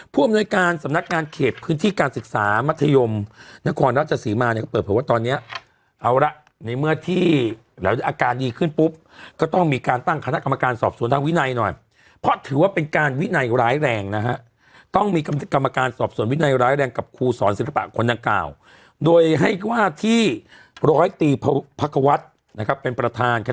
ผู้อำนวยการสำนักงานเขตพื้นที่การศึกษามัธยมนครราชสีมาเนี่ยก็เปิดเผยว่าตอนเนี้ยเอาละในเมื่อที่แล้วอาการดีขึ้นปุ๊บก็ต้องมีการตั้งคณะกรรมการสอบสวนทางวินัยหน่อยเพราะถือว่าเป็นการวินัยร้ายแรงนะฮะต้องมีกรรมการสอบส่วนวินัยร้ายแรงกับครูสอนศิลปะคนดังกล่าวโดยให้ว่าที่ร้อยตีพักควัฒน์นะครับเป็นประธานก